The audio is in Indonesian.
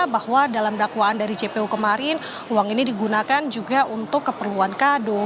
bahwa dalam dakwaan dari jpu kemarin uang ini digunakan juga untuk keperluan kado